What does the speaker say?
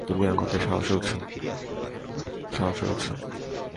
তুই আমাদের সাহসের উৎস।